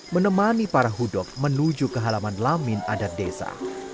menemani para hudok menuju ke halaman lamin adat desa